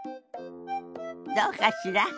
どうかしら？